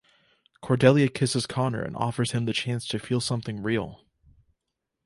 Cordelia kisses Connor and offers him the chance to feel something real.